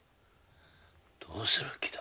どうする気だ？